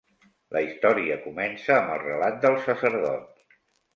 La història comença amb el relat del sacerdot.